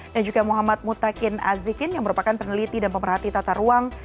dan juga muhammad mutakin azikin yang merupakan peneliti dan pemerhati tata ruang